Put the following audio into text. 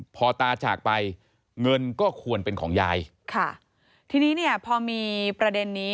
พอตาจากไปเงินก็ควรเป็นของยายค่ะทีนี้เนี่ยพอมีประเด็นนี้